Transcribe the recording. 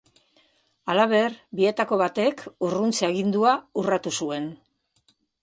Halaber, bietako batek urruntze-agindua urratu zuen.